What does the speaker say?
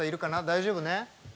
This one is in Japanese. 大丈夫ね。